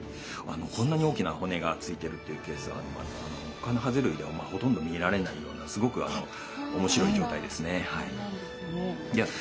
こんなに大きな骨がついてるっていうケースはほかのハゼ類ではほとんど見られないようなすごく面白い状態ですね。